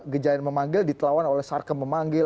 gejayan memanggil ditelawan oleh sarkam memanggil